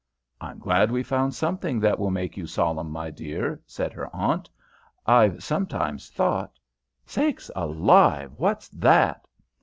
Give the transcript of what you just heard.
"I'm glad we've found something that will make you solemn, my dear," said her Aunt. "I've sometimes thought Sakes alive, what's that?"